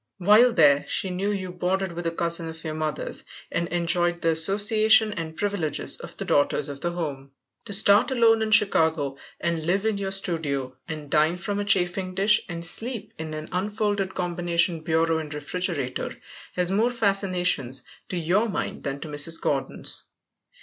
While there she knew you boarded with a cousin of your mother's, and enjoyed the association and privileges of the daughters of the home. To start alone in Chicago, and live in your studio, and dine from a chafing dish, and sleep in an unfolded combination bureau and refrigerator has more fascinations to your mind than to Mrs. Gordon's.